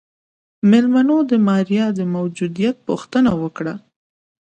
مېلمنو د ماريا د موجوديت پوښتنه وکړه.